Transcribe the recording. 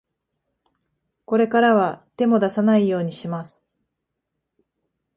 これからは、手も出さないようにします。